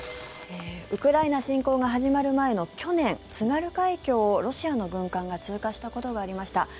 ウクライナ侵攻が始まる前の去年津軽海峡をロシアの軍艦が通過したことがありました。